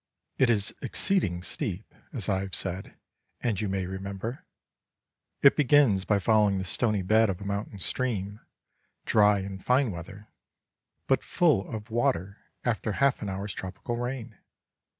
It is exceeding steep, as I have said, and you may remember. It begins by following the stony bed of a mountain stream, dry in fine weather, but full of water after half an hour's tropical rain.